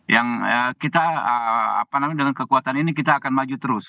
yang kita dengan kekuatan ini kita akan maju terus